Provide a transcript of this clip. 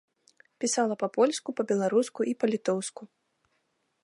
Пісала па-польску, па-беларуску і па-літоўску.